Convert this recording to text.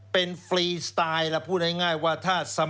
เป็นฟรีสไตล์แล้วพูดง่ายว่าถ้าสมัครใจเนี่ย